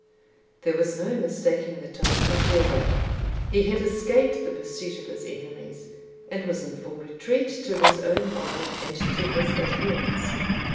There was no mistaking the tone of MacGregor; he had escaped the pursuit of his enemies, and was in full retreat to his own wilds and to his adherents.